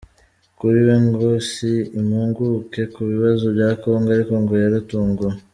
Kuri we ngo si impuguke ku bibazo bya Congo ariko ngo yaratunguwe.